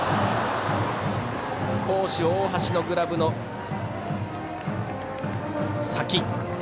巧手、大橋のグラブの先。